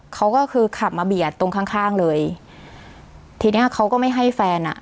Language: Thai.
เขาก็คือขับมาเบียดตรงข้างข้างเลยทีเนี้ยเขาก็ไม่ให้แฟนอ่ะ